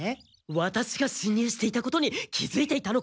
ワタシがしん入していたことに気づいていたのか？